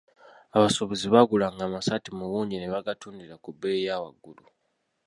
Abasuubuzi baagulanga amasaati mu bungi ne bagatundira ku bbeeyi ya waggulu.